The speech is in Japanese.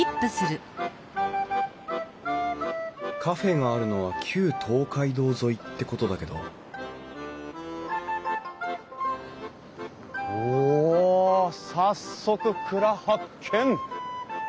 カフェがあるのは旧東海道沿いってことだけどお早速蔵発見。